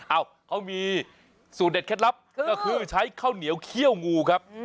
เอ้าเขามีสูตรเด็ดเคล็ดลับก็คือใช้ข้าวเหนียวเขี้ยวงูครับ